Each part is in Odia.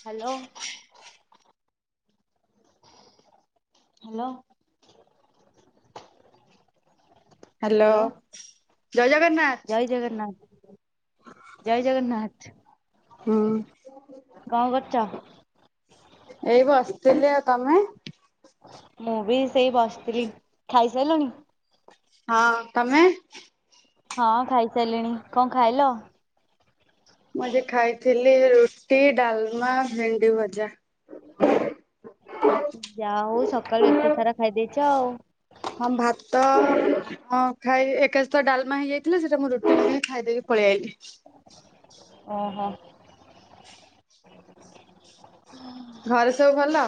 ହ୍ୟାଲୋ । ହ୍ୟାଲୋ। ହ୍ୟାଲୋ। ଜୟ ଜଗନ୍ନାଥ। ଜୟ ଜଗନ୍ନାଥ। ଜୟ ଜଗନ୍ନାଥ। ହଁ । କଣ କରୁଛ? ଏଇ ବସିଥିଲି ଆଉ । ତମେ? ମୁଁ ବି ସେଇ ବସିଥିଲି । ଖାଇସାରିଲୁଣି? ହଁ ତମେ? ହଁ ଖାଇସାରିଲିଣି । କଣ ଖାଇଲ! ମୁଁ ଯେ ଖାଇଥିଲି ରୁଟି, ଡାଲମା, ଭେଣ୍ଡି ଭଜା । [inaudible] ଯା ହଉ ସକାଳୁ ଏତେ ସାରା ଖାଇଦେଇଛ ଆଉ। ହଁ ଭାତ ହଁ ଖାଇ ଏକାଶହିତ ଡାଲମା ହେଇଯାଇଥିଲା ସେଇଟା ମୁଁ ରୁଟି ସାଂଗେ ଖାଇ ଦେଇ ପଳେଇ ଆଇଲି। ଓହୋ। ଘରେ ସବୁ ଭଲ?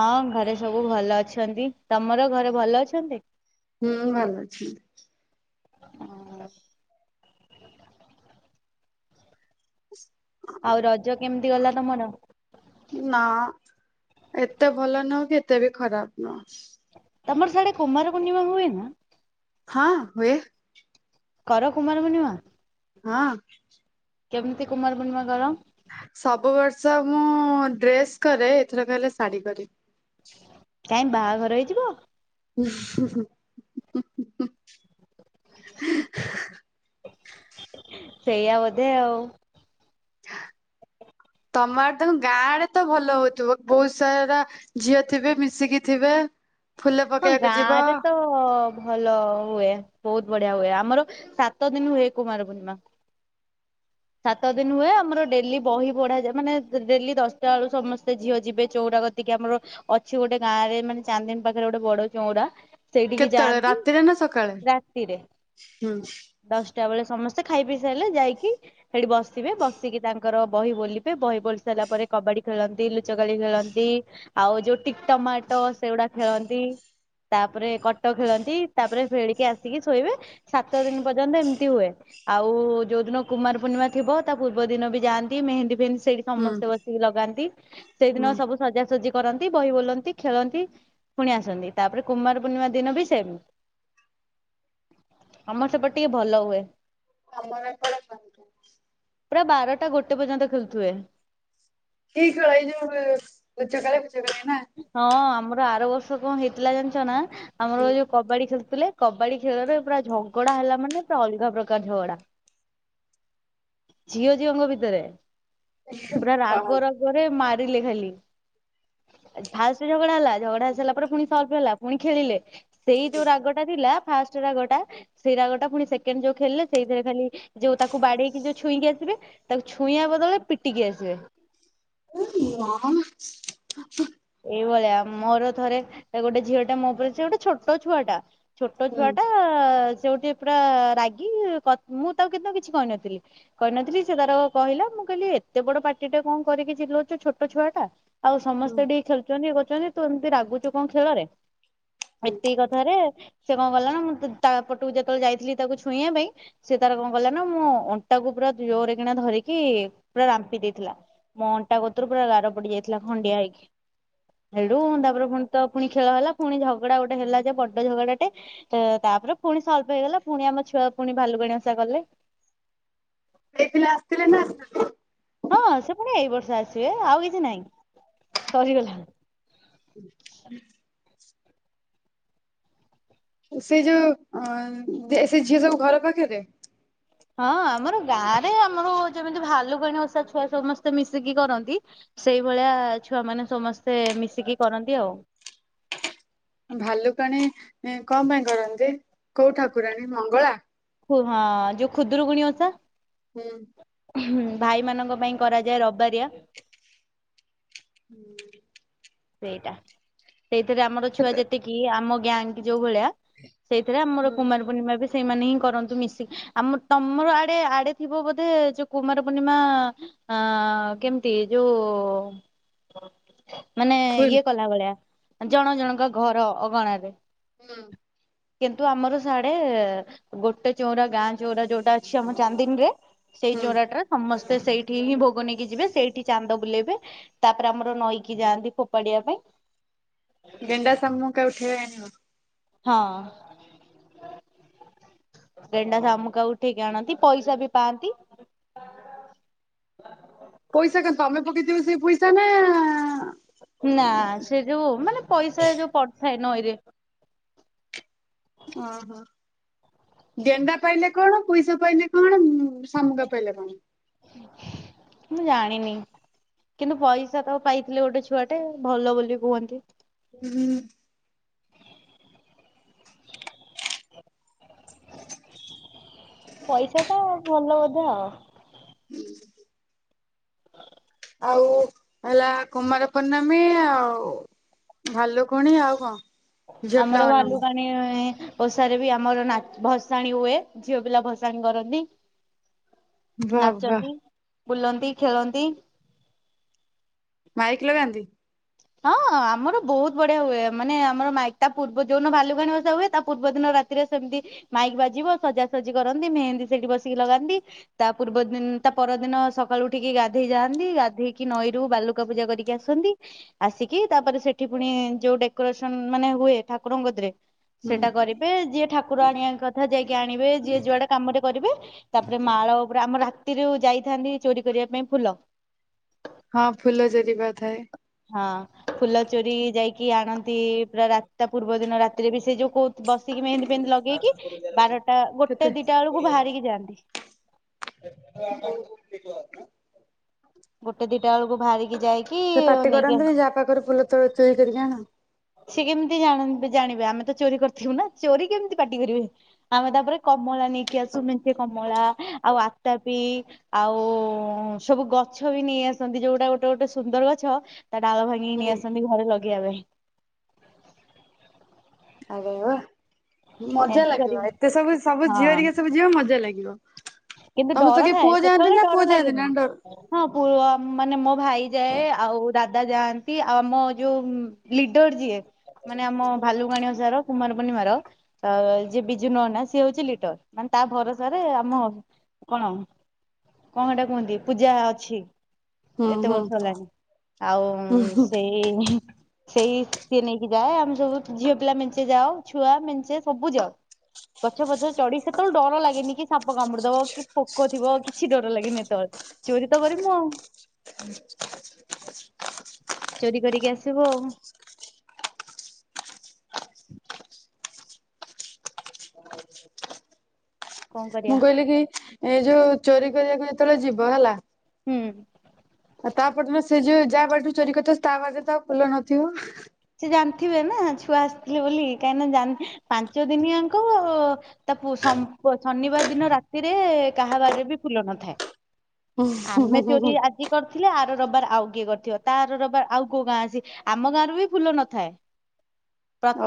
ହଁ ଘରେ ସବୁ ଭଲ ଅଛନ୍ତି ତମର ଘରେ ଭଲ ଅଛନ୍ତି। ହୁଁ ଭଲ ଅଛି। ହୁଁ। ଆଉ ରଜ କେମିତି ଗଲା ତମର? ନା ଏତେ ଭଲ ନୁହଁ କି ଏତେ ବି ଖରାପ ନୁହଁ। ତମର ସାଡେ କୁମାର ପୂର୍ଣ୍ଣିମା ହୁଏ ନା। ହଁ ହୁଏ। କର କୁମାର ପୂର୍ଣ୍ଣିମା ହଁ। କେମତି କୁମାର ପୂର୍ଣ୍ଣିମା କର? ସବୁ ବର୍ଷ ମୁଁ ଡ୍ରେସ୍ କରେ ଏଥର କହିଲେ ଶାଢୀ କରେ କାଇଂ ବାହାଘର ହେଇଯିବ। ଉହୁ ସେଇଆ ବୋଧେ ଆଉ ତମର ତଣ ଗାଁରେ ତ ଭଲ ହଉଥିବ ବହୁତ ସାରା ଝିଅ ଥିବେ ମିଶିକି ଥିବେ। ଫୁଲ ହଁ ପକେଇବାକୁ ଯିବ ଗାଁ ରେ ତ ଭଲ ହୁଏ ବହୁତ ବଢିଆ ହୁଏ ଆମର ସାତ ଦିନ ହୁଏ, କୁମାର ପୂର୍ଣ୍ଣିମା ସାତ ଦିନ ହୁଏ ଆମର ଡେଲି ବହି ପଢାଯାଏ, ମାନେ ଡେଲି ଦଶଟା ବେଳୁ ସମସ୍ତେ ଝିଅ ଯିବେ ଚଉଂରା ତା କତିକି ଆମର ଅଛି, ଗୋଟେ ଗାଁରେ ମାନେ ଚାନ୍ଦିନୀ ପାଖରେ ଗୋଟେ ବଡ ଚଉଂରା ସେଇଠିକି କେତେବେଳେ ଯାଆନ୍ତି ରାତିରେ ନା ସକାଳେ? ରାତିରେ ହୁଁ ଦଶଟା ବେଳେ ସମସ୍ତେ ସେ ଖାଇ ପିଇ ସାଇଲେ ଯାଇକି ସେଠି ବସିବେ ବସିକି ତାଙ୍କର ବହି ବୋଲିଵେ ଵହି ଵୋଲ ସାରିଲା ପରେ କବାଡି ଖେଳନ୍ତି ଲୁଚକାଳି ଖେଳନ୍ତି ଆଉ ଯୋଉ ଟିକ ଟମାଟ ସେଗୁଡା ଖେଳନ୍ତି। ତାପରେ କଟ ଖେଳନ୍ତି ତାପରେ ଫେଳିକି ଆସିକି ଶୋଇବେ, ସାତ ଦିନ ପର୍ଯ୍ୟନ୍ତ ଏମିତି ହୁଏ। ଆଉ ଯୋଉ ଦିନ କୁମାର ପୂର୍ଣ୍ଣିମା ଥିବ ତା ପୂର୍ବ ଦିନ ବି ଯାଆନ୍ତି, ମେହେନ୍ଦୀ ଫେହେନ୍ଦି ସେଇଠି ହୁଁ ସମସ୍ତେ ବସିକି ଲଗାନ୍ତି। ହୁଁ ସେଇଦିନ ସବୁ ସଜାସଜି କିଛି କରନ୍ତି ବହି ବୋଲନ୍ତି ଖେଳନ୍ତି ପୁଣି ଆସନ୍ତି, ତାପରେ କୁମାର ପୂର୍ଣ୍ଣିମା ଦିନ ବି ସେମି ଆମର ସେପଟ ଟିକେ ଭଲ ହୁଏ। ଆମର ଏପଟେ କରନୁ ପୁରା ବାରଟା ଗୋଟେ ପର୍ଯ୍ୟନ୍ତ ଖେଳୁଥିବେ। କି ଖେଳ ଏଇ ଯୋଉ ଲୁଚକାଳି ଫୁଚକାଳି ନା? ହଁ ଆମର ଆର ବର୍ଷ କଣ ହେଇଥିଲା, ଜାଣିଛ ନା ଆମର ହୁଁ ଯୋଉ କବାଡି ଖେଳ ଥିଲେ କବାଡି ଖେଳରେ ପୁରା ଝଗଡା ହେଲା, ମାନେ ପୁରା ଅଲଗା ପ୍ରକାର ଝଗଡା। ଝିଅ ଝିଅଙ୍କ ଭିତରେ ପୁରା ହଁ ରାଗ ରାଗରେ ମାରିଲେ ଖାଲି ଫାଷ୍ଟ ଝଗଡା ହେଲା, ଝଗଡା ହେଇ ସାରିଲା ପରେ ପୁଣି ସଲ୍ଭ ହେଲା ପୁଣି ଖେଳିଲେ ସେଇ ଯୋଉ ରାଗ ଟା ଥିଲା ଫାଷ୍ଟ ରାଗଟା ସେଇ ରାଗଟା ପୁଣି ସେକଣ୍ଡ ଯୋଉ, ଖେଳିଲେ ସେଇଥିରେ ଖାଲି ଯଉ ତାକୁ ବାଡେଇକି ଛୁଇଁକି ଆସେ ତାକୁ ଛୁଇଁବା ବଦଳେ ପିଟିକି ଆସିବେ। ହେ ନା ସେଇଭଳିଆ ମୋର ଥରେ ଗୋଟେ ଝିଅ ଟା ମୋ ଉପରେ ସେ ଗୋଟେ ଛୋଟ ଛୁଆ ଟା ଛୋଟ ହୁଁ ଛୁଆ ଟା। ସେ ଗୋଟେ ପୁରା ରାଗି ମୁଁ ତାକୁ କିନ୍ତୁ କିଛି କହିନଥିଲି। କହିନଥିଲି ସେ ତାର କହିଲା ମୁଁ କହିଲି ଏତେ ବଡ ପାଟି ଟା କଣ କରିକି ଚିଲଉଛୁ, ଛୋଟ ଛୁଆ ଟା ଆଉସମ ହୁଁ ସେ ଟିକେ ଖେଳୁଛନ୍ତି। ଇଏ କରୁଛନ୍ତି ତୁ ଏମତି ରାଗୁଛୁ କଣ ଖେଳରେ ହୁଁ। ଏତିକି କଥାରେ ସେ କଣ କଲା ନା ମୁଁ ତା ପଟକୁ ଯେତେବେଳେ ଯାଇଥିଲି। ତାକୁ ଛୁଇଁବା ପାଇଁ ସେ ତାର କଣ କଲା ନା ମୁଁ ଅଣ୍ଟାକୁ ପୁରା ଜୋରେ କିଣା ଧରିକି ପୁରା ରାମ୍ପି ଦେଇଥିଲା। ମୋ ଅଣ୍ଟା ଗତରୁ ପୁରା ଗାର ପଡି ଯାଇଥିଲା ଖଣ୍ଡିଆ ହେଇକି ହେଳୁ ତାପର ପୁଣି ତ ପୁଣି ଖେଳ ହେଲା ପୁଣି ଝଗଡା ଗୋଟେ ହେଲା, ଯେ ବଡ ଝଗଡାଟେ ତ ତାପରେ ପୁଣି ସଲଭ୍ ହେଇଗଲା ପୁଣି ଆମ ଛୁଆ ପୁଣି ଭାଲୁଗାଣି ଓସା କଲେ। ଏଥିିଲ ଆସଥିଲେ ନ ହଁ ସେ ପୁଣି ଏଇ ବର୍ଷ ଆସିବେ ଆଉ କିଛି ନାହିଁ ସରିଗଲା। ସେ ଯୋଉ ଓଙ ସେ ଝିଅ ସବୁ ଘର ପାଖରେ ହଁ ଆମର ଗାଁ ରେ ଆମର ଯେମିତି ଭାଲୁଗଣୀ ଓଷା ଛୁଆ ସମସ୍ତେ ମିଶିକି କରନ୍ତି। ସେଇଭଳିଆ ଛୁଆମାନେ ସମସ୍ତେ ମିଶିକି କରନ୍ତି ଆଉ ଭାଲୁକାଣୀ କଣ ପାଇଁ କରନ୍ତି ଯେ କୋଉ ଠାକୁରାଣୀ ମଙ୍ଗଳା ହଁ ଯୋଉ ଖୁଦୁରୁକୁଣି ଓଷା। ହୁଁ। ହୁ ଭାଇମାନଙ୍କ ପାଇଁ କରାଯାଏ ରବାରିଆ। ହୁଁ [inaudible] ସେଇଟା ସେଇଥିରେ ଆମର ଛୁଆ ସେଟା ଯେତିକି ଆମ ଗ୍ୟାଙ୍ଗ ଯୋଉ ଭଳିଆ ସେଇଥିରେ ଆମର ହୁଁ। କୁମାର ପୂର୍ଣିମା ବି ସେଇମାନେ ହିଁ କରନ୍ତି ମିଶିକି ଆମ ତମର ଆଡେ ଆଡେ ଥିବ ବୋଧେ ଯୋଉ କୁମାର ପୂର୍ଣ୍ଣିମା ଆଃ କେମତି ଯୋଉ ମାନେ ଫୁଲ୍ ଇଏ କଲା ଭଳିଆ ଜଣ ଜଣଙ୍କ ଘର ଅଗଣାରେ ହୁଁ। କିନ୍ତୁ ଆମର ସାଡେ ଗୋଟେ ଚଉରା ଗାଁ ଚଉରା ଯୋଉଟା ଅଛି ଆମ ଚାନ୍ଦିନୀରେ ସେଇ ହୁଁ ଚୋରାଟାରେ ସମସ୍ତେ ସେ ସେଇଠି ହିଁ ଭୋଗନେଇକି ଯିବେ। ସେଇଠି ଚାନ୍ଦ ବୁଲେଇବେ। ତାପରେ ଆମର ନଈକି ଯାଆନ୍ତି ଫୋପାଡିଆ ପାଇଁ। ଗେଣ୍ଡା ସାମୁକା ଉଠେଇ ଆଣିବ। ହଁ। ଗେଣ୍ଡା ଶାମୁକା ଉଠେଇକି ଆଣନ୍ତି ପଇସା ବି ପାଆନ୍ତି। ହ [inaudible] ପକେଇଥିବେ ସେ ପଇସା ନା ନା ସେ ଯୋଉ ମାନେ ପଇସା ଯୋଉ ପଡିଥାଏ ନଇଁରେ ଓ ହୋ। ଗେଣ୍ଡା ପାଇଲେ କଣ ପଇସା ପାଇଲେ କଣ ଶାମୁଙ୍ଗ ପାଇଲେ କଣ? ମୁଁ ଜାଣିନି। କିନ୍ତୁ ପଇସା ତ ପାଇଥିଲେ ଗୋଟେ ଛୁଆଟେ ଭଲ ବୋଲି କୁହନ୍ତି। ହୁଁ। ପଇସା ଟା ଭଲ ବୋଧେ ଆଉ। ହୁଁ [inaudible] ଆଉ ହେଲା କୁମାର ପୂର୍ଣମୀ ଆଉ ଭାଲୁକୁଣୀ ଆଉ କଣ? ଝିଅ ଆମର ପିଲାମାନଙ୍କୁ ଭାଲୁକାଣୀ ଓଷାରେ ବି ଆମର ନାକ୍ ଭସାଣିୀ ହୁଏ ଝିଅ ପିଲା ଭସାଣି କରନ୍ତି। ବାଃ ବାଃ। ନାଚନ୍ତି ବୁଲନ୍ତି ଖେଳନ୍ତି। ମାଇକି ଲଗାନ୍ତି? ହଁ ଆମର ବହୁତ ବଢିଆ ହୁଏ। ମାନେ ଆମର ମାଇକି ତା ପୂର୍ବ ଯୋଉଦିନ ଭାଲୁକାଣୀ ଓଷା ହୁଏ ତା ପୂର୍ବ ଦିନ ରାତିରେ ସେମିତି ମାଇକି ବାଜିବ ସଜାସଜି କରନ୍ତି ମେହେନ୍ଦୀ ସେଠି ବସିକି ଲଗାନ୍ତି ତା ପୂର୍ବ ଦିନ ତା ପରଦିନ ସକାଳୁ ଉଠିକି ଗାଧେଇ ଯାଆନ୍ତି। ଗାଧେଇକି ନଈରୁ ବାଲୁକା ପୂଜା କରିକି ଆସନ୍ତି। ଆସିକି ତାପରେ ସେଠି ପୁଣି ଯୋଉ ଡେକୋରେସନ ମାନେ ହୁଏ। ଠାକୁରଙ୍କଗଦିରେ ହୁଁ ସେଟା କରିବେ ଯିଏ ଠାକୁର ଆଣିବା କଥା ଯାଇକି ଆଣିବେ। ଯିଏ ଯୁଆଡ଼େ କାମରେ କରିବେ ତାପରେ ମାଳ ଉପରେ ଆମ ରାତିରେ ଯାଇଥାନ୍ତି ଚୋରି କରିବା ପାଇଁ ଫୁଲ। ହଁ ଫୁଲ ଜରିବା ଥାଏ। କି ଆଣନ୍ତି ପୁରା ରାତା ପୂର୍ବ ଦିନ ରାତିରେ ବି ସେ ଯୋଉ କହୁ ବସିକି ମେହନ୍ଦୀ ଫେହେନ୍ଦି ଲଗେଇକି ବାରଟା ଗୋଟେ କେତେ ଦିଟା ବେଳକୁ ବାହାରିକି ଯାଆନ୍ତି। [unintelligible] ଗୋଟେ ଦିଟା ବେଳକୁ ବାହାରିକି ଯାଇକି ସେ ପାଟି ନେଇକି ଆ କରନ୍ତିନି ଯାହା ପାଖରେ ଫୁଲ ତୋଳ ଚୋରି କରିକି ଆଣ। ତୁ ଚୋରି କରିଥିବୁ ନା ଚୋରି କେମିତି ପାଟି କରିବେ ଆମେ ତାପରେ କମଳା ନେଇକି ଆସୁ ମେଞ୍ଚେ କମଳା ଆଉ ଆତାପି ଆଉ ଉଁ-ଉଁ ସବୁ ଗଛ ବି ନେଇ ଆସନ୍ତି ଯୋଉଟା ଗୋଟେ ଗୋଟେ ସୁନ୍ଦର ଗଛ ତା ଡାଳ ଭାଙ୍ଗିକି ନେଇ ହୁଁ ଆସନ୍ତି ଘରେ ଲଗେଇବା ପାଇଁ। ଆରେ ୱା ମଜା ଏମିତି ଲାଗିବ କରିକି ଏତେ ସବୁ ସବୁ ହଁ ଝିଅରିକା ସବୁ ଯିବ ମଜା ଲାଗିବ। କିନ୍ତୁ ତମେ ତ ଡର କିଏ ଥାଏ ପୁଅ ଯାଆନ୍ତି ସେତେବେଳେ ନା ପୁଅ ଡର ଯାଆନ୍ତି ଲାଗେନି ନା ଡ ହଁ ପୁଅ ମାନେ ମୋ ଭାଇ ଯାଏ। ଆଉ ଦାଦା ଯାଆନ୍ତି ଆଉ ଆମ ଯୋଉ ଲିଡର ଯିଏ ମାନେ ଆମ ଭାଲୁକୁଣ ଯାର କୁମାର ପୂର୍ଣିମାର ଯିଏ ବିଜୁ ନନା ସିଏ ହଉଛି ଲିଡର ମାନେ ତା ଭରସାରେ ଆମ କଣ କଣ ଏଟା କୁହନ୍ତି ପୂଜା ଅଛି। ହୁଁ ଏତେ ହୁଁ ବର୍ଷ ହେଲାଣି ଆଉ ହୁଁ ଉଁ-ଉଁ ହୁଁ ସେଇ ହିଁ। ସେଇ ସିଏ ନେଇକି ଯାଏ ଆମେ ସବୁ ଝିଅ ପିଲା ମେଞ୍ଚେ ଯାଉ ଛୁଆ ମେଞ୍ଚେ ସବୁ ଯାଉ। ଗଛ ପଛ ଚଢ଼ି ସେତେବେଳେ ଡର ଲାଗେନି କି ସାପ କାମୁଡୁ। ସାପ କି ପୋକ ଥିବ କିଛି ଡର ଲାଗେନି ସେତେବେଳେ ଚୋରି ତ କରିମୁ ଆଉ। [unintelligible] ଚୋରି କରିକି ଆସିବୁ ଆଉ [inaudible] କଣ କରିବା ମୁଁ କହିଲି କି ଏଇ ଯୋଉ ଚୋରି କରିବାକୁ ଯେତେବେଳେ ଯିବ ହେଲା। ହୁଁ। ଆଉ ତାପଟରେ ସେ ଯୋଉ ଯାହା ବାଡ଼ିରୁ ଚୋରି କରିଥିବ ତା ବାଡ଼ିରେ ତ ଆଉ ଫୁଲ ନଥିବ ଜାଣିଥିବେନା ଛୁଆ ଆସିଥିଲେ ବୋଲି କାହିଁକିନା ଜାନ ପାଞ୍ଚ ଦିନିଆଙ୍କୁ ଉ-ଉ ତା ପୁଅ ହମ୍ କୁହ ଶନିବାର ଦିନ ରାତିରେ କାହା ବାଡ଼ିରେ ବି ଫୁଲ ନଥାଏ। ହୁଁ ହୁଁ ଆମେ ହୁଁ ହୁଁ ଚୋରି ହୁଁ ଆଜି କରିଥିଲେ ଆର ରବାର ଆଉ କିଏ କରିଥିବ ତା ଆର ରବିବାର ଆଉ କୋଉ ଗାଁ ଅଛି ଆମ ଗାଁରୁ ବି ଫୁଲ ନଥାଏ।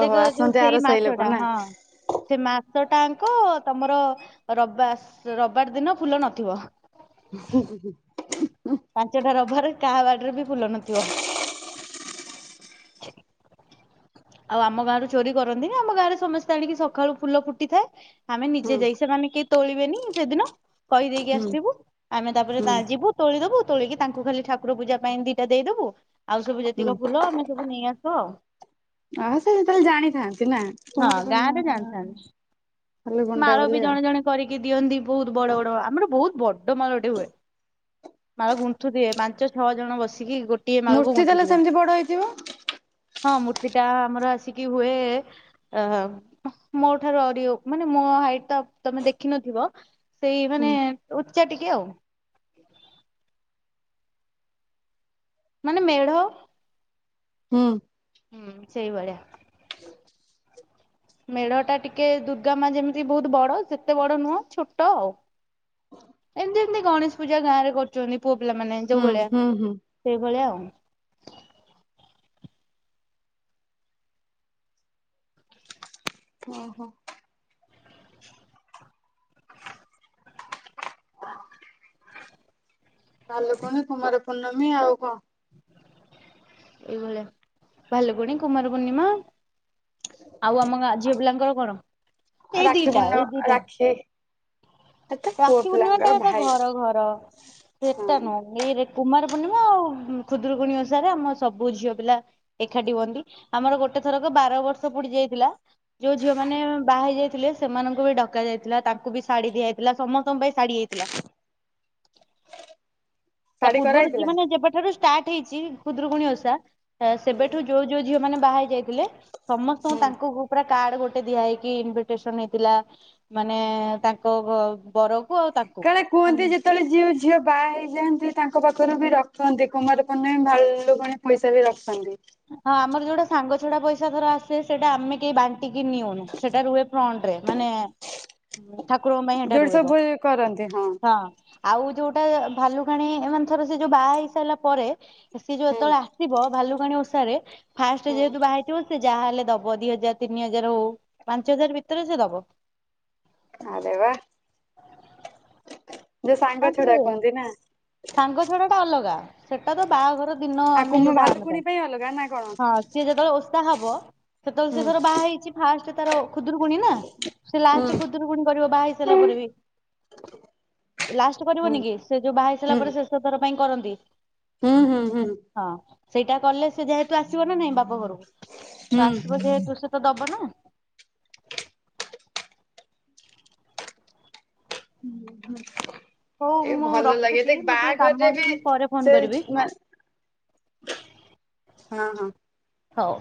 ଓହୋ ଯୋଉ ଆସନ୍ତି ସେଇ ଆର ସାହି ମାସ ଲୋକ ଟା ନା ହଁ ସେ ମାସ ଟା କ ତମର ରବାସ୍ ରବାର ଦିନ ଫୁଲ ନଥିବ। ହୁ ହୁ ହୁ। ସେଥିରେ ବି ଫୁଲ ନଥିବ [inaudible] ଆଉ ଆମ ଗାଁରୁ ଚୋରି କରନ୍ତିନି ଆମ ଗାଁରେ ସମସ୍ତେ ଆଣିକି ସକାଳୁ ଫୁଲ ଫୁଟିଥାଏ। ଆମେ ନିଜେ ହୁଁ ଯାଇ ସେମାନେ କେହି ତୋଳିବେନି ସେଦିନ କହିଦେଇକି ହୁଁ। ଆସିଥିବୁ ଆମେ ତାପରେ ହୁଁ ତା ଯିବୁ ତୋଳିଦବୁ। ତୋଳିକି ତାଙ୍କୁ ଖାଲି ଠାକୁର ପୂଜା ପାଇଁ ଦିଟା ଦେଇଦବୁ ଆଉ ସବୁ ଯେତିକ ଫୁଲ ଆମେ ସବୁ ନେଇ ଆସ ଆଉ ଆ ସେ ଯେତେବେଳେ ଜାଣିଥାନ୍ତି ନା [inaudible] ହଁ ଗାଁରେ ଜାଣିଥାନ୍ତି ମାଳ ବି ବୋଲି ଆଉ ଜଣେ ଜଣେ କରିକି ଦିଅନ୍ତି ବହୁତ ବଡ଼ ବଡ଼ ଆମର ବହୁତ ବଡ ମାଳଟେ ହୁଏ ମାଳ ଗୁନ୍ତୁ ଦିଏ ପାଞ୍ଚ ଛଅ ଜଣ ବସି। ଇଏ ଗୋଟିଏ ମାଳକୁ ମୂର୍ତ୍ତି ଗୁନ୍ତୁ ତାହେଲେ ଥିବେ ସେମିତି ବଡ ହେଇଥିବ ହଁ ମୂର୍ତ୍ତିଟା ଆମର ଆସିକି ହୁଏ ଅ ମୋ ଠାରୁ ଆଉରି ମାନେ ମୋ ହାଇଟ୍ ତ ତମେ ଦେଖିନଥିବ ସେଇ ହୁଁ ମାନେ ଚା ଟିକେ ଆଉ। ମାନେ ମେଢ଼ ହୁଁ। ହୁଁ ସେଇ ଭଳିଆ। ମେଢ଼ଟା ଟିକେ ଦୁର୍ଗାମା ଯେମିତି ବହୁତ ବଡ଼ ସେତେ ବଡ଼ ନୁହଁ ଛୋଟ ଆଉ ଏମତି ଏମତି ଗଣେଶ ପୂଜା ଗାଁ ରେ କରୁଛନ୍ତି। ପୁଅ ପିଲାମାନେ ଯୋଉ ହୁଁ ଭଳିଆ ହୁଁ ହୁଁ ସେଇଭଳିଆ ଆଉ। ଓ ହୋ କାଲକୁଣ କୁମାର ପୂର୍ଣ୍ଣମୀ ଆଉ କଣ? ଏଇଭଳିଆ ଭଲ ଭଉଣୀ କୁମାର ପୂର୍ଣ୍ଣିମା ଆଉ ଆମ ଗାଁ ଝିଅ ପିଲାଙ୍କର କଣ? ଏଇ ରାକ୍ଷୀ ଦିଟା ଏଇ ପୂର୍ଣ୍ଣମା ଦିଟା ରାକ୍ଷୀ ଏତେ ପୁଅ ରାକ୍ଷୀ ପୂର୍ଣ୍ଣିମା ଟା ପିଲାଙ୍କର ତା ଭାଇ ଘର ଘର । ହଁ ସେଟା ନୁହେଁ ଏଇ କୁମାର ପୂର୍ଣ୍ଣିମା ଆଉ ଖୁଦୁରୁକୁଣୀଓଷାରେ ଆମ ସବୁ ଝିଅ ପିଲା ଏକାଠି ହୁଅନ୍ତି ଆମର ଗୋଟେ ଥରକ ବାରବର୍ଷ ପୁଡି ଯାଇଥିଲା ଯୋଉ ଝିଅ ମ ମାନେ ବାହାହୋଇ ଯାଇଥିଲେ ସେମାନଙ୍କୁ ବି ଡକା ଯାଇଥିଲା ତାଙ୍କୁ ବି ଶାଢୀ ଦିଆଯାଇଥିଲା ସମସ୍ତଙ୍କ ପାଇଁ ଶାଢୀ ହୋଇଥିଲା । [unintelligible] ତା ଶାଢୀ ପୂର୍ବରୁ କରାହେଇଥିଲା? ମାନେ ଯେବେଠାରୁ ଷ୍ଟାର୍ଟ ହେଇଛି ଖୁଦୁରୁକୁଣୀଓଷା ସେବେଠୁ ଯୋଉ ଯୋଉ ଝିଅ ମାନେ ବାହା ହେି ଯାଇଥିଲେ ସମସ୍ତଙ୍କୁ ହୁଁ। ତାଙ୍କ ପୁରା କାର୍ଡ ଗୋଟେ ଦିଆ ହେଇକି ଇନଭିଟେସନ ହେଇଥିଲା ମାନେ ତାଙ୍କ ବର କାରଣ କୁହନ୍ତି ଯେତେବେଳେ ଝିଅ ଝିଅ ବାହା ହେଇଯାଆନ୍ତି ତାଙ୍କ ପାଖରୁ ବି ରଖନ୍ତି କୁମାରପୂର୍ଣ୍ଣମୀ ଭାଲୁ ଗଣ ପଇସା ବି ରଖନ୍ତି । ହଁ ଆମର ଯୋଉଟା ସାଙ୍ଗ ଛଡାପଇସାଧର ଆସେ ସେଇଟା ଆମେ କେହି ବା ଟିକେ ନିଅନି ସେଟା ରୁହେ ଫ୍ରଣ୍ଟ ରେ। ମାନେ ଠାକୁରଙ୍କ ପାଇଁ ହେଇଟା ଯୋଉଠି ରୁହିବ। ସବୁ କରନ୍ତି ହଁ ଆଉ ଯୋଉ ସେଟା ଭାଲୁକୁଣି ମାନେ ଥର ସେ ଯୋଉ ବାହା ହେଇ ସାରିଲା ପରେ ସେ ଯୋଉ ହୁଁ ଯେତେବେଳେ ଆସିବ ଭାଲୁକୁଣି ଓଷା ରେ ଫାଷ୍ଟ ହୁଁ। ଯେହେତୁ ବାହାହୋଇଥିବ ସେ ଯାହାହେଲେ ଦବ ଦି ହଜାର ତିନି ହଜାର ହଉ, ପାଞ୍ଚ ହଜାର ଭିତରେ ସେ ଦବ। ଆରେ ବା ଯୋଉ ସାଙ୍ଗ ହଁ ଛଡା କୁହନ୍ତି ନା ଟିକେ ସାଙ୍ଗ ଛଡା ଟା ଅଲଗା ସେଟା ତ ବାହାଘର ଦିନ ଆଉ ଆମେ କୁମ ଯୋଉଟା ଭାଲୁକୁଣୀ ଆଣିଥାଉ। ପାଇଁ ଅଲଗା ନା କଣ? ହଁ ସିଏ ଯେତେବେଳେ ଓଷ ଓଷା ହବ, ସେତେବେଳେ ସେ ହୁଁ ତାର ବାହା ହେଇଚି ଫାଷ୍ଟ ତାର ଖୁଦୁରୁୁକୁଣୀ ନା। ସେ ଲାଷ୍ଟ ହୁଁ ଖୁଦୁରୁକୁଣୀ କରିବ ବାହାହେଇସାରିଲା ପରେ ବି। ଲାଷ୍ଟ ହୁଁ କରିବନି କି ସେ ଯୋଉ ବାହାହେଇସାରିଲା ହୁଁ ପରେ ଶେଷଥର ପାଇଁ କରନ୍ତି। ହୁଁ ହୁଁ ହୁଁ। ହଁ ସେଇଟା କଲେ ସେ ଯେହେତୁ ଆସିବ ନା ନାଇଁ ବାପ ଘରକୁ। ହୁଁ ତ ଆସିବ ଯେହେତୁ ସେ ତ ଦବନ ହୁଁ। [unintelligible] ହଉ ଏ ମୁଁ ଭଲ ଲାଗେ ରଖୁଛି ଦେଖ ମୋର ଟିକେ କାମ ବାହାଘରରେ ବି ଅଛି ମୁଁ ପରେ ଫୋନ ସେ କରିବି। ମାନେ ହଁ ହଁ। ହଉ।